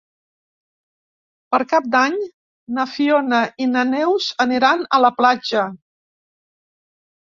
Per Cap d'Any na Fiona i na Neus aniran a la platja.